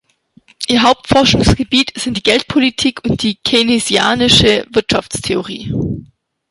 Ihr Hauptforschungsgebiet sind die Geldpolitik und die keynesianische Wirtschaftstheorie.